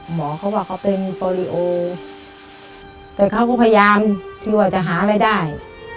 หมอเขาว่าเขาเป็นโปรลิโอแต่เขาก็พยายามที่ว่าจะหารายได้